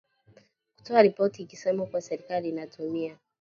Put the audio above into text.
kutoa ripoti ikisema kuwa serikali inatumia